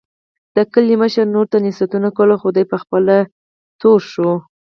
د کلي مشر نورو ته نصیحتونه کول، خو دی په خپله تور شو.